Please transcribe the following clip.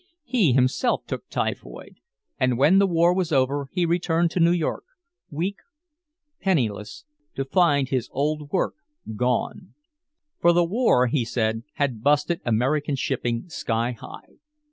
He himself took typhoid, and when the war was over he returned to New York, weak, penniless, to find his old work gone. "For the war," he said, "had busted American shipping sky high.